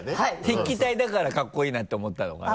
筆記体だからかっこいいなんて思ったのかな。